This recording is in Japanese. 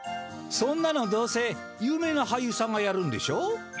そんなのどうせ有名なはいゆうさんがやるんでしょ？